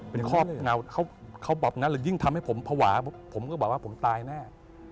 เป็นครอบงาเขาบอกนั้นเลยยิ่งทำให้ผมภาวะผมก็บอกว่าผมตายแน่